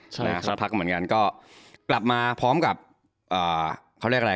ใช่สักพักเหมือนกันก็กลับมาพร้อมกับอ่าเขาเรียกอะไร